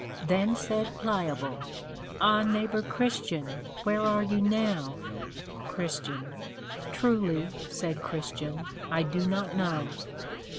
Then said Pliable, Ah Neighbor Christian, where are you now? CHR. Truly, said Christian, I do not know.